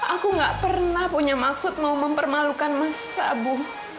aku gak pernah punya maksud mau mempermalukan mas prabu